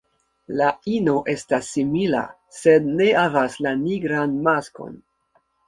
La ino estas simila, sed ne havas la nigran maskon.